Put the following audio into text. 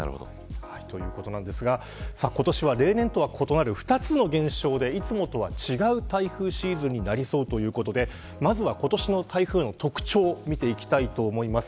ということなんですが今年は例年とは異なる２つの現象でいつもとは違う台風シーズンになりそうということでまずは今年の台風の特徴を見ていきたいと思います。